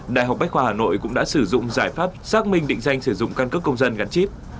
đại học bách khoa hà nội cũng đã sử dụng giải pháp xác minh định danh sử dụng căn cước công dân gắn chip